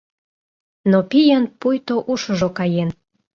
Но пийын пуйто ушыжо каен.